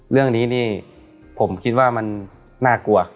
เรื่องนี้นี่ผมคิดว่ามันน่ากลัว